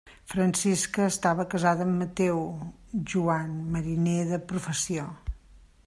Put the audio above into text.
Francisca estava casada amb Mateu Joan, mariner de professió.